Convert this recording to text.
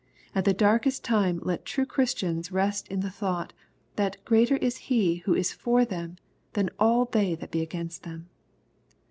At the darkest time let true Christians rest in the thought, that " greater is He ^ ^who is for them than all they that be against them."